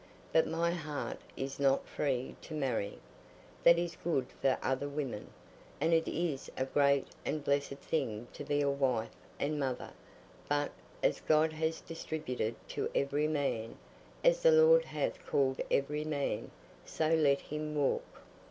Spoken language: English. But my heart is not free to marry. That is good for other women, and it is a great and a blessed thing to be a wife and mother; but 'as God has distributed to every man, as the Lord hath called every man, so let him walk.